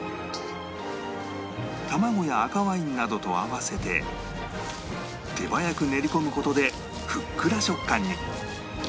卵や赤ワインなどと合わせて手早く練り込む事でふっくら食感に